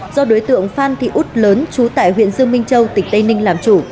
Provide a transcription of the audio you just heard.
do đối tượng phan thị út lớn trú tại huyện dương minh châu tỉnh tây ninh làm chủ